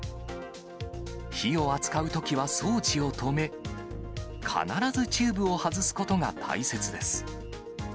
火を扱うときは装置を止め、必ずチューブを外すことが大切です。